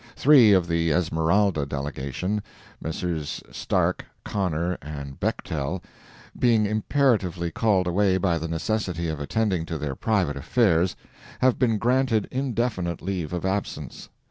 Three of the Esmeralda delegation—Messrs. Stark, Conner and Bechtel, being imperatively called away by the necessity of attending to their private affairs, have been granted indefinite leave of absence.